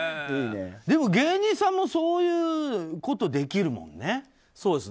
でも、芸人さんもそういうことできるもんね。